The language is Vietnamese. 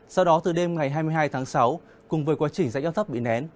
sau đó từ đêm ngày hai mươi hai tháng sáu cùng với quá trình dãy áo thấp bị nén